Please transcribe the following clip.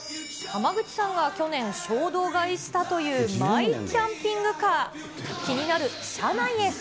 濱口さんが去年、衝動買いしたというマイキャンピングカー。